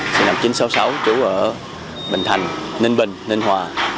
sinh năm một nghìn chín trăm sáu mươi sáu trú ở bình thành ninh bình ninh hòa